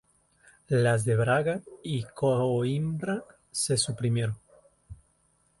Las de Braga y Coimbra se suprimieron.